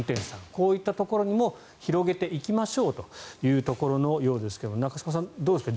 こういったところにも広げていきましょうというところのようですが中嶋さん、どうですか？